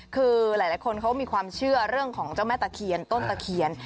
คือหลายคนเขามีความเชื่อเรื่องของเจ้าแม่ตะเคียนต้นตะเคียน